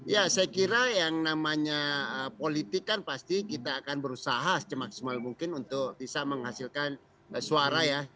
ya saya kira yang namanya politik kan pasti kita akan berusaha semaksimal mungkin untuk bisa menghasilkan suara ya